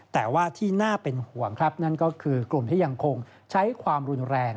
แต่ว่าที่น่าเป็นห่วงครับนั่นก็คือกลุ่มที่ยังคงใช้ความรุนแรง